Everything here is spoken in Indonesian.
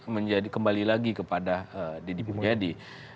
menjadi kembali lagi kepada deddy mulyadi